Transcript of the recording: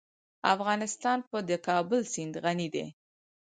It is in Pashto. افغانستان په د کابل سیند غني دی.